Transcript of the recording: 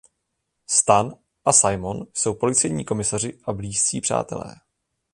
Stan a Simon jsou policejní komisaři a blízcí přátelé.